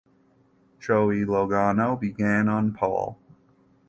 Joey Logano began on pole.